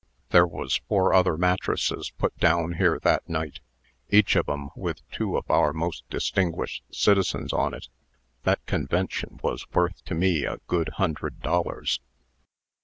There was four other mattresses put down here that night, each of 'em with two of our most distinguished citizens on it. That convention was worth to me a good hundred dollars."